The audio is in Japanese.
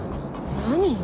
何よ。